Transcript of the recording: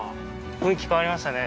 雰囲気変わりましたね。